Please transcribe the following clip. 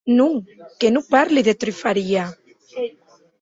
Non, que non parli de trufaria.